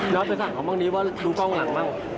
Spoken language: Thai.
แล้วไปถามเขาบ้างดีว่าดูกล้องหลังบ้าง